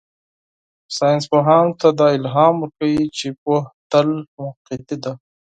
ساینسپوهانو ته دا الهام ورکوي چې پوهه تل موقتي ده.